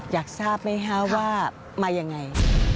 อยากทราบไหมครับว่ามาอย่างไร